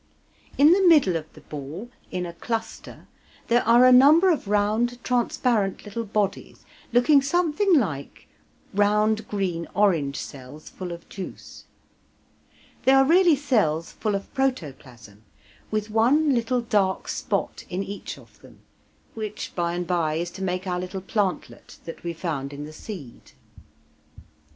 In the middle of the ball, in a cluster, there are a number of round transparent little bodies, looking something like round green orange cells full of juice. They are really cells full of protoplasm, with one little dark spot in each of them, which by and by is to make our little plantlet that we found in the seed.